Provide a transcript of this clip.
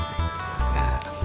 terima kasih kang